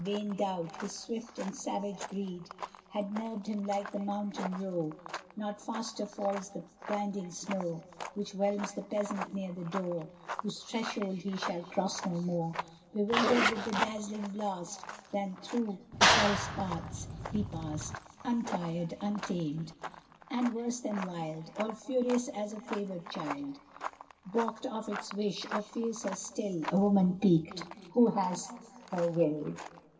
Vain doubt! his swift and savage breed Had nerved him like the mountain roe; Not faster falls the blinding snow Which whelms the peasant near the door Whose threshold he shall cross no more, Bewildered with the dazzling blast, Than through the forest paths he passed Untired, untamed, and worse than wild; All furious as a favored child Balked of its wish; or fiercer still A woman piqued who has her will.